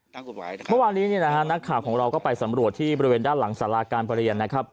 เมื่อวานนี้เนี่ยนะฮะนักข่าวของเราก็ไปสำรวจที่บริเวณด้านหลังสาราการประเรียนนะครับ